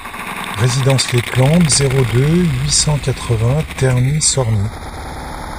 Résidence Les Plantes, zéro deux, huit cent quatre-vingts Terny-Sorny